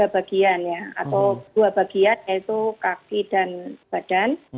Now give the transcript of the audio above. tiga bagian ya atau dua bagian yaitu kaki dan badan